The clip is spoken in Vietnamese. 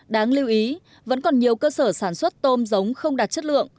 đáng lưu ý vẫn còn nhiều cơ sở sản xuất tôm giống không đạt chất lượng